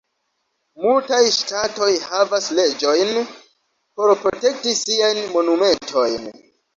Multaj ŝtatoj havas leĝojn por protekti siajn monumentojn.